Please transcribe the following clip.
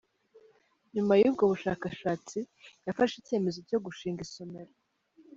Nyuma y’ubwo bushakashatsi yafashe icyemezo cyo gushinga isomero.